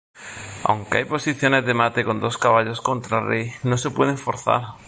Aunque hay posiciones de mate con dos caballos contra rey, no se pueden forzar.